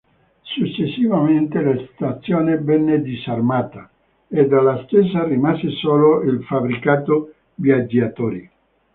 Successivamente la stazione venne disarmata, e della stessa rimase solo il fabbricato viaggiatori.